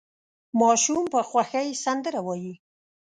ماشوم په خوښۍ سندره وايي.